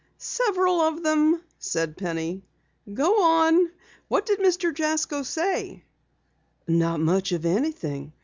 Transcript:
"Several of them," said Penny. "Go on. What did Mr. Jasko say?" "Not much of anything.